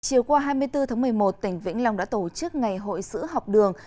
chiều qua hai mươi bốn tháng một mươi một tỉnh vĩnh long đã tổ chức ngày hội sữa học đường